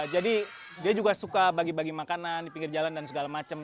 jadi dia juga suka bagi bagi makanan di pinggir jalan dan segala macam